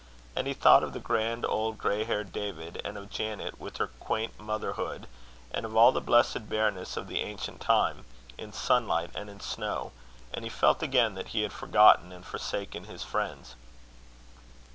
And he thought of the grand old grey haired David, and of Janet with her quaint motherhood, and of all the blessed bareness of the ancient time in sunlight and in snow; and he felt again that he had forgotten and forsaken his friends.